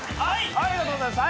ありがとうございます。